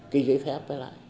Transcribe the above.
cái giấy thép đấy lại